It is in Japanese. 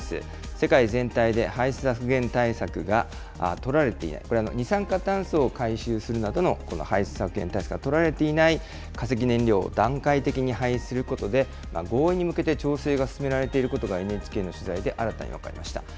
世界全体で排出削減対策が取られていない、これ、二酸化炭素を回収するなどのこの排出削減対策が取られていない化石燃料を段階的に廃止することで、合意に向けて調整が進められていることがＮＨＫの取材で新たに分かりました。